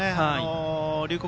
龍谷